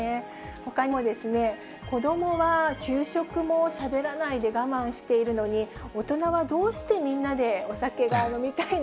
ほかにも、子どもは給食もしゃべらないで我慢しているのに、大人はどうしてみんなでお酒が飲みたいの？